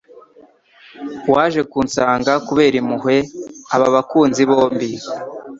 waje kunsanga kubera impuhwe aba bakunzi bombi